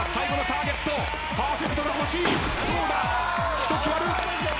１つ割る。